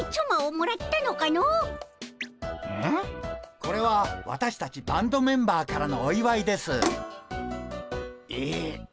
これは私たちバンドメンバーからのおいわいです。え。